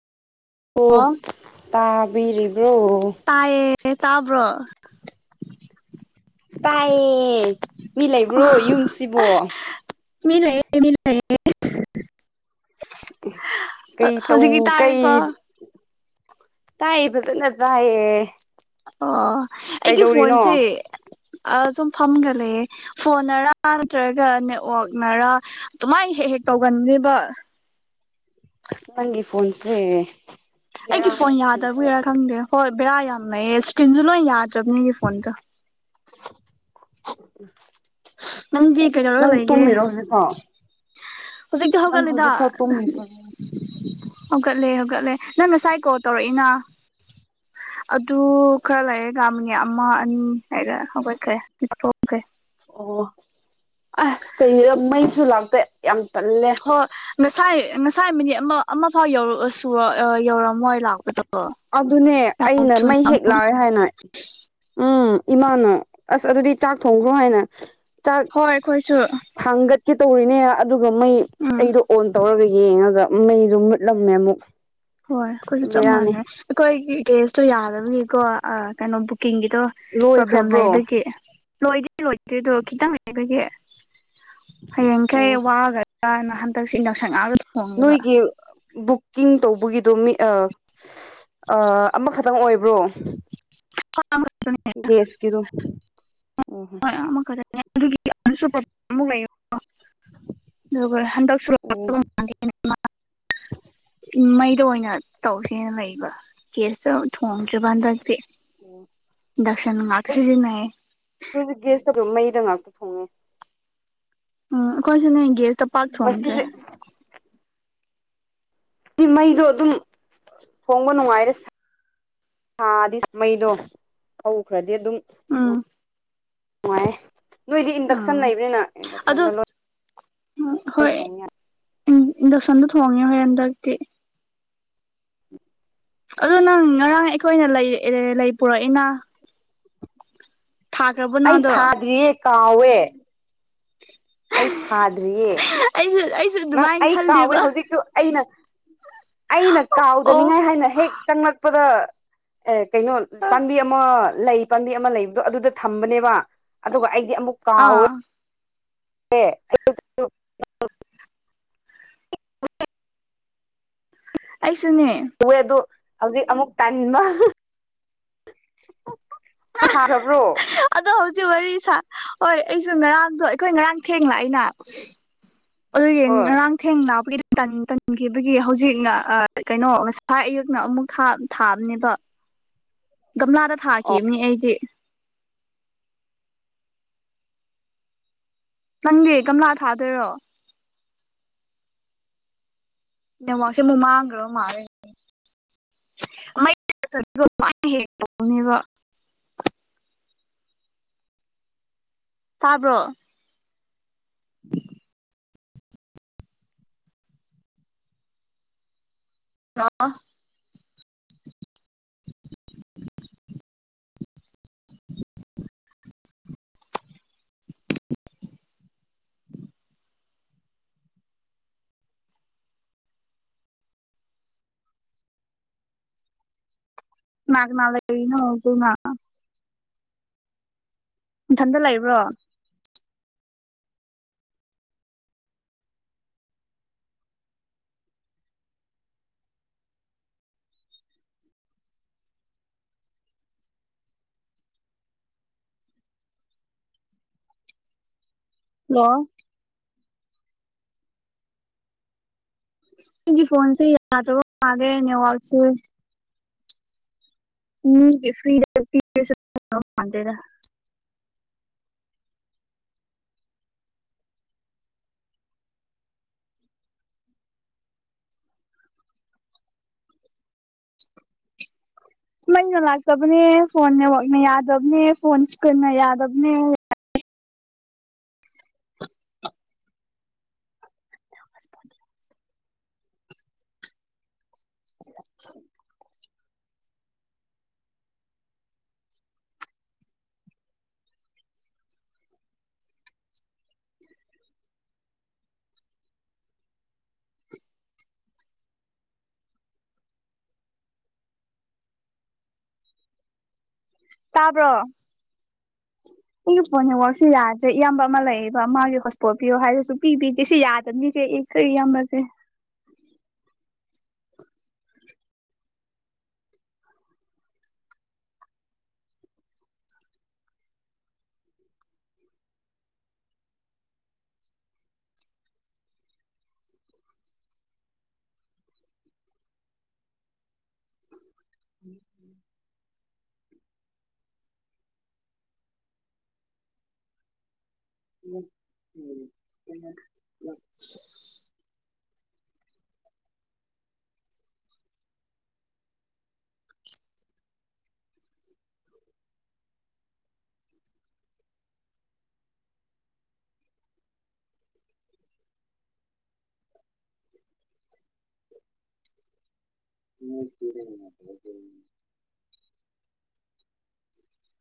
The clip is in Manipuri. ꯑꯣ ꯇꯥꯕꯤꯔꯤꯕ꯭ꯔꯣ ꯇꯥꯏꯌꯦ ꯇꯥꯕ꯭ꯔꯣ ꯇꯥꯏꯌꯦ ꯃꯤ ꯂꯩꯕ꯭ꯔꯣ ꯌꯨꯝꯁꯤꯕꯣ꯫ ꯃꯤ ꯂꯩꯑꯌꯦ ꯃꯤ ꯂꯩꯌꯦ꯫ ꯀꯩ ꯇꯧ ꯍꯧꯖꯤꯛꯇꯤ ꯀꯩ ꯇꯥꯔꯦꯀꯣ ꯇꯥꯏꯌꯦ ꯐꯖꯅ ꯇꯥꯏꯌꯦ꯫ ꯑꯣ ꯑꯩꯒꯤ ꯀꯩꯗꯧꯔꯤꯅꯣ ꯐꯣꯟꯁꯦ ꯑ ꯁꯨꯝ ꯐꯝꯒ ꯂꯩꯌꯦꯦ ꯐꯣꯟꯅꯔꯥ ꯅꯠꯇ꯭ꯔꯒ ꯅꯦꯠꯋꯥꯛꯅꯔꯥ ꯑꯗꯨꯃꯥꯏꯅ ꯍꯦꯛ ꯍꯦꯛ ꯇꯧꯒꯟꯅꯦꯕ꯫ ꯅꯪꯒꯤ ꯐꯣꯟꯣꯟꯁꯦ ꯑꯩꯒꯤ ꯌꯥꯏ꯫ ꯐꯣꯟ ꯌꯥꯗꯕꯒꯤꯔꯥ ꯈꯪꯗꯦ ꯍꯣꯏ ꯕꯦꯔꯥ ꯌꯥꯝ ꯂꯩꯌꯦ ꯏꯁꯀ꯭ꯔꯤꯟꯁꯨ ꯂꯣꯏ ꯌꯥꯗ꯭ꯔꯕꯅꯤꯅꯦ ꯐꯣꯟꯒ꯫ [unintelligible] ꯅꯪꯗꯤ ꯀꯗꯩꯔ ꯅꯪ ꯂꯩꯒ꯭ꯔꯦ꯫ ꯇꯨꯝꯃꯤꯔꯣ ꯍꯧꯖꯤꯛꯐꯥꯎ ꯍꯧꯖꯤꯛꯇꯛꯇ ꯅꯪ ꯍꯧꯒꯠꯂꯤꯗ ꯍꯧꯖꯤꯛꯐꯥꯎ ꯇꯨꯝꯃꯤꯕ꯭ꯔꯣ ꯍꯧꯒꯠꯂꯦ ꯍꯧꯒꯠꯂꯦ ꯅꯪ ꯉꯁꯥꯏ ꯀꯣꯜ ꯇꯧꯔꯛꯏꯅ꯫ ꯑꯗꯨ ꯈꯔ ꯂꯩꯌꯦ ꯑꯥꯃꯤꯅꯤ ꯑꯃ ꯑꯅꯤ ꯍꯥꯏꯔ ꯍꯧꯒꯠꯈ꯭ꯔꯦ ꯊꯣꯛꯈ꯭ꯔꯦ ꯑꯣ ꯑꯁ ꯀꯩ ꯃꯩꯁꯨ ꯂꯥꯛꯇꯦ ꯌꯥꯝ ꯇꯜꯂꯦ꯫ ꯉꯁꯥꯏ ꯉꯁꯥꯏ ꯃꯤꯅꯤꯠ ꯑꯃ ꯑꯃ ꯐꯥꯎꯧ ꯁꯨ ꯌꯧꯔꯝꯃꯣꯏ ꯂꯥꯛꯄ ꯑꯗꯨꯅꯦ ꯑꯩꯅ ꯃꯩ ꯍꯦꯛ ꯂꯥꯛꯑꯦ ꯍꯥꯏꯅ ꯎꯝ ꯏꯃꯥꯅ ꯑꯁ ꯑꯗꯨꯗꯤ ꯆꯥꯛ ꯊꯣꯡꯈ꯭ꯔꯣ ꯍꯥꯏꯅ ꯆꯥꯛ ꯍꯣꯏ ꯑꯩꯈꯣꯏꯁꯨ꯫ ꯊꯥꯡꯒꯠꯀꯦ ꯇꯧꯔꯤꯅꯦ ꯑꯗꯨꯒ ꯃꯩ ꯎꯝ ꯑꯩꯗꯣ ꯑꯣꯟ ꯇꯧꯔꯒ ꯌꯦꯡꯉꯥꯒ꯫ ꯃꯩꯗꯣ ꯃꯨꯠꯂꯝꯃꯦ ꯑꯃꯨꯛ꯫ ꯍꯣꯏ ꯑꯩꯈꯣꯏꯁꯨ ꯆꯞ ꯕꯦꯔꯥꯅꯤ ꯃꯥꯟꯅꯩ ꯑꯩꯈꯣꯏꯒꯤ ꯀꯦꯁꯇꯣ ꯌꯥꯗꯕꯒꯤꯀꯣ ꯀꯩꯅꯣ ꯕꯨ ꯀꯤꯡꯒꯤꯗꯣ ꯄ꯭ꯔꯣꯕ꯭ꯂꯦꯝ ꯂꯣꯏꯈ꯭ꯔꯕ꯭ꯔꯣ ꯂꯩꯕꯒꯤ ꯂꯣꯏꯗꯤ ꯂꯣꯏꯗꯦ ꯑꯗꯣ ꯈꯤꯇꯪ ꯂꯩꯕꯒꯤ ꯍꯌꯦꯡꯈꯩ ꯑꯣ ꯋꯥꯒꯗꯅ ꯍꯟꯗꯛꯁ ꯉꯛꯑꯒꯗ ꯅꯣꯏꯒꯤ ꯕꯨꯛꯀꯤꯡ ꯇꯧꯕꯒꯤꯗꯣ ꯃꯤ ꯑꯃꯈ ꯈꯤꯇꯪ ꯑꯣꯏꯕ꯭ꯔꯣ꯫ ꯦ ꯑꯦꯁꯀꯤꯗ ꯑꯣꯍꯣ [unintelligible] ꯒꯤ ꯂꯩ ꯑꯗꯨꯒ ꯍꯟꯗꯛꯁꯨ ꯑꯣ ꯃꯩꯗ ꯑꯣꯏꯅ ꯇꯧꯁꯦꯅ ꯂꯩꯕ ꯒꯦꯁꯇ ꯊꯣꯡꯗ꯭ꯔꯤꯕ ꯍꯟꯗꯛꯇꯤ ꯏꯟꯗꯛꯁꯟ ꯉꯥꯛꯇ ꯁꯤꯖꯤꯟꯅꯩ꯫ ꯑꯩꯈꯣꯏꯛ ꯒꯦꯁ ꯀꯧ ꯃꯩꯗ ꯉꯥꯛꯇ ꯊꯣꯡꯉꯦ꯫ ꯎꯝ ꯑꯩꯈꯣꯏꯁꯨꯅꯦ ꯒꯦꯁꯇ ꯄꯥꯛ ꯊꯣꯡꯗ꯭ꯔꯦ꯫ ꯉꯁꯤꯁꯦ ꯍꯥꯏꯗꯤ ꯃꯩꯗꯣ ꯑꯗꯨꯝ ꯊꯣꯡꯕ ꯅꯨꯡꯉꯥꯏꯔꯦ꯫ ꯊꯥꯗꯤ ꯃꯩꯗꯣ ꯍꯧꯈ꯭ꯔꯗꯤ ꯑꯗꯨꯝ ꯎ ꯎꯝ ꯅꯨꯡꯉꯥꯏ ꯅꯣꯏꯗꯤ ꯏꯟꯗꯛꯁꯟ ꯎꯝ ꯂꯩꯕꯅꯤꯅ ꯏꯟꯗꯛꯁꯟꯗ ꯂꯣꯏ ꯎꯝ ꯍꯣꯏ ꯊꯣꯡꯉꯦ ꯏꯟꯗꯛꯁꯟꯗ ꯊꯣꯡꯉꯦ ꯍꯣꯏ ꯍꯟꯗꯛꯇꯤ ꯑꯗꯨ ꯅꯪ ꯉꯔꯥꯡ ꯑꯩꯈꯣꯏꯅ ꯂꯩ ꯄꯨꯔꯛꯏꯅ ꯊꯥꯈ꯭ꯔꯕ ꯑꯩ ꯅꯗꯣ ꯊꯥꯗ꯭ꯔꯤꯌꯦ ꯀꯥꯎꯋꯦ꯫ ꯑꯩ ꯊꯥꯗ꯭ꯔꯤꯌꯦ ꯑꯩꯁꯨ ꯑꯩꯁꯨ ꯅꯪ ꯑꯗꯨꯃꯥꯏꯅ ꯑꯩ ꯀꯥꯎꯋꯦ ꯈꯜꯂꯦꯕ ꯍꯧꯖꯤꯛꯁꯨ ꯑꯩꯅ ꯑꯩꯅ ꯑꯣ ꯀꯥꯎꯗꯅꯤꯡꯉꯥꯏ ꯍꯥꯏꯅ ꯍꯦꯛ ꯆꯪꯂꯛꯄꯗ ꯑꯦ ꯀꯩꯅꯣ ꯄꯥꯝꯕꯤ ꯑꯃ ꯂꯩ ꯄꯥꯝꯕꯤ ꯑꯃ ꯂꯩꯕꯗꯣ ꯑꯗꯨꯗ ꯊꯝꯕꯅꯦꯕ ꯑꯗꯨꯒ ꯑꯩꯗꯤ ꯑꯃꯨꯛ ꯀꯥꯎꯋꯦ ꯑꯥ [unintelligible] ꯑꯩꯁꯨꯅꯦ꯫ ꯎꯋꯦ ꯑꯗꯨ ꯍꯧꯖꯤꯛ ꯑꯃꯨꯛ ꯇꯟꯕ꯫ ꯍꯥꯔꯕ꯭ꯔꯣ ꯑꯗꯣ ꯍꯧꯖꯤꯛ ꯋꯥꯔꯤ ꯁꯥ ꯍꯣꯏ ꯑꯩꯁꯨ ꯉꯔꯥꯡꯗꯣ ꯑꯩꯈꯣꯏ ꯉꯔꯥꯡ ꯊꯦꯡꯂ ꯏꯅ ꯑꯗꯨꯒꯤ ꯍꯣꯏ ꯉꯔꯥꯡ ꯊꯦꯡ ꯂꯛꯄꯒꯤ ꯇꯥꯟ ꯇꯟꯈꯤꯕꯒꯤ ꯍꯧꯖꯤꯛꯅ ꯀꯩꯅꯣ ꯉꯁꯥꯏ ꯑꯌꯨꯛꯅ ꯑꯃꯨꯛ ꯊꯥꯕꯅꯦꯕ ꯒꯝꯂꯥꯗ ꯊꯥꯈꯤꯕꯅꯤ ꯑꯩꯗꯤ ꯫ ꯅꯪꯗꯤ ꯒꯝꯂꯥꯗ ꯊꯥꯗꯣꯏꯔꯣ ꯅꯦꯠꯋꯥꯛꯁꯦ ꯑꯃꯨꯛ ꯃꯥꯡꯈꯔꯕ ꯃꯥꯂꯦ ꯫ [unintelligible] ꯇꯥꯕ꯭ꯔꯣ [unintelligible] ꯑꯥ ꯀꯅꯥ ꯀꯅꯥ ꯂꯩꯔꯤꯅꯣ ꯍꯧꯖꯤꯛꯅ ꯫ ꯅꯊꯟꯇ ꯂꯩꯕ꯭ꯔꯣ ꯫ ꯍꯜꯂꯣ ꯑꯩꯒꯤ ꯐꯣꯟꯁꯦ ꯌꯥꯗ꯭ꯔꯕ ꯃꯥꯜꯂꯦ ꯅꯦꯋꯥꯛꯁꯦ ꯫ [unintelligible] ꯃꯩꯅ ꯂꯥꯛꯇꯕꯅꯦ ꯐꯣꯟ ꯅꯦꯋꯥꯛꯅ ꯌꯥꯗꯕꯅꯦ ꯐꯣꯟ ꯏꯁꯀꯔꯤꯟꯅ ꯌꯥꯗꯕꯅꯦ ꯫ ꯇꯥꯕ꯭ꯔꯣ ꯑꯩꯒꯤ ꯐꯣꯟ ꯅꯦꯠꯋꯔꯥꯛꯁꯦ ꯌꯥꯗ꯭ꯔꯦ ꯏꯌꯥꯝꯕ ꯑꯃ ꯂꯩꯌꯦꯕ ꯃꯥꯒꯤ ꯍꯣꯁꯄꯣꯔꯠ ꯄꯤꯌꯣ ꯍꯥꯏꯔꯁꯨ ꯁꯨꯡꯄꯤ ꯄꯤꯗꯦ ꯁꯤ ꯌꯥꯗꯕꯅꯤ ꯑꯩ ꯈꯣꯏ ꯏꯌꯥꯝꯕꯁꯦ ꯫ [inaudible] [inaudible] [unintelligible]